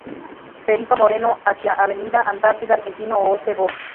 Perito Moreno, hacia Avda. Antártida Argentina Oeste, Bo.